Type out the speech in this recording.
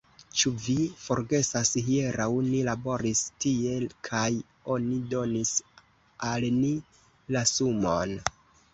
Ĉu vi forgesas hieraŭ ni laboris tie kaj oni donis al ni la sumon!